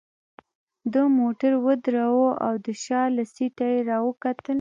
ده موټر ودراوه او د شا له سیټه يې راوکتل.